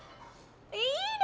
いいね！